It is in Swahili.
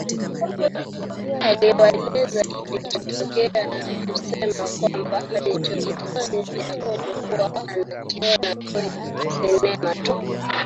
Aliwaeleza kilichotokea na kusema kwamba alichokifanya Jacob hua anakiona kwenye sinema tu